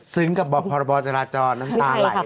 ซึ้งกับพบจราจรน้ำตาไหล่เลย